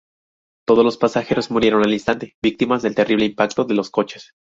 Todos los pasajeros murieron al instante víctimas del terrible impacto de los coches.